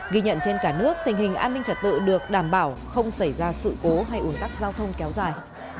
ghi nhận trên cả nước tình hình an ninh trật tự được đảm bảo không xảy ra sự cố hay ủn tắc giao thông kéo dài